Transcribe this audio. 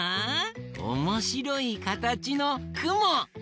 おもしろいかたちのくも！